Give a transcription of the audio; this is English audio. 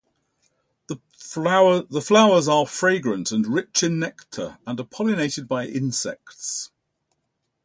The flowers are fragrant and rich in nectar and are pollinated by insects.